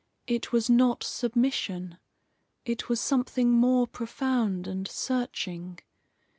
It was not submission. It was something more profound and searching.